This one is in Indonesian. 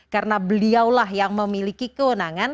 karena beliaulah yang memiliki kewenangan